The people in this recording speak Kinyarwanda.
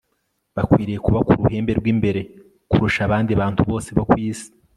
bakwiriye kuba ku ruhembe rw'imbere kurusha abandi bantu bose bo ku isi